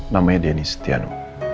namanya denny setiano